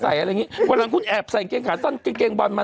บางทีนายเป็นแอบใส่เกงขาสันแบบเกงบอลมา